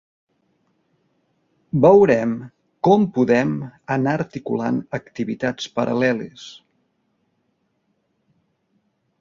Veurem com anar articulant activitats paral·leles.